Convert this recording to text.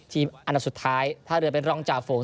อันดับสุดท้ายท่าเรือเป็นรองจ่าฝูง